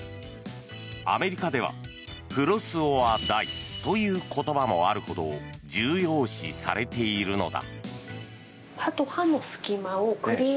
アメリカではフロス・オア・ダイという言葉もあるほど重要視されているのだ。